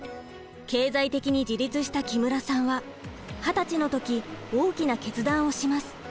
経済的に自立した木村さんは二十歳の時大きな決断をします。